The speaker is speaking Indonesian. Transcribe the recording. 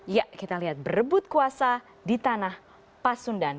ya kita lihat berebut kuasa di tanah pasundan